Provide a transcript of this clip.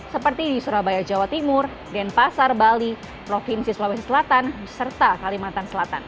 seperti di surabaya jawa timur denpasar bali provinsi sulawesi selatan serta kalimantan selatan